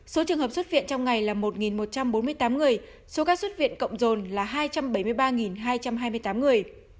số trường hợp xuất viện trong ngày là một một trăm bốn mươi tám người số ca xuất viện cộng rồn là hai trăm bảy mươi ba hai trăm hai mươi tám người